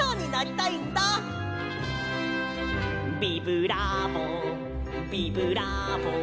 「ビブラーボビブラーボ」